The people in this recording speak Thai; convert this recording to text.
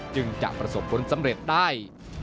จึงจะประสบผลสำเร็จได้